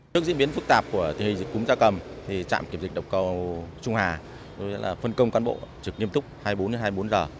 trước diễn biến phức tạp của thị hệ dịch cúng gia cầm trạm kiểm dịch động cầu trung hà phân công cán bộ trực nghiêm túc hai mươi bốn đến hai mươi bốn giờ